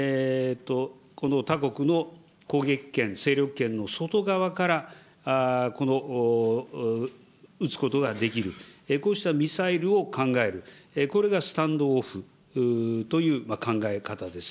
この他国の攻撃圏、勢力圏の外側から撃つことができる、こうしたミサイルを考える、これがスタンドオフという考え方です。